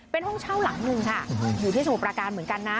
เป็นห้องเช่าหลังหนึ่งค่ะอยู่ที่สมุทประการเหมือนกันนะ